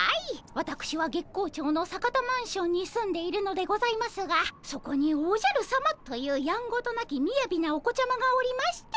わたくしは月光町の坂田マンションに住んでいるのでございますがそこにおじゃるさまというやんごとなきみやびなお子ちゃまがおりまして。